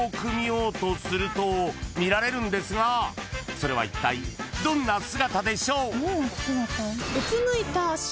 ［それはいったいどんな姿でしょう？］